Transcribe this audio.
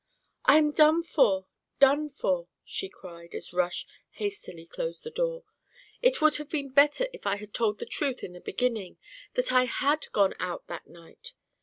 "I am done for! done for!" she cried as Rush hastily closed the door. "It would have been better if I had told the truth in the beginning that I had gone out that night.